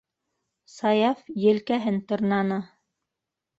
Саяф елкәһен тырнаны: